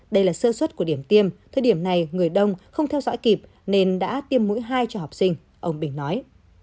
đây là sơ xuất của điểm tiêm thời điểm này người đông không theo dõi kịp nên đã tiêm mũi hai cho học sinh ông bình nói